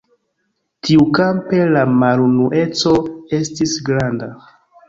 Tiukampe la malunueco estis granda.